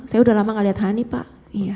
saya udah lama gak lihat hani pak